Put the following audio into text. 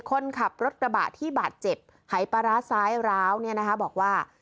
คนขับรถระบะที่บาดเจ็บหายปราสายร้าวบอกว่า